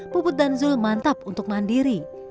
puput dan zul mantap untuk mandiri